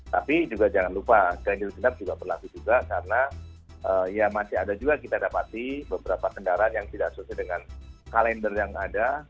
tapi juga jangan lupa ganjil genap juga berlaku juga karena ya masih ada juga kita dapati beberapa kendaraan yang tidak sesuai dengan kalender yang ada